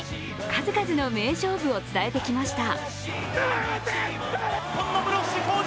数々の名勝負を伝えてきました。